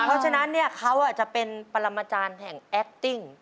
เพราะฉะนั้นเขาจะเป็นปรมาจารย์แห่งแอคติ้ง